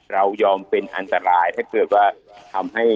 เรายอมเป็นอันตรายถ้าเกิดว่าทำให้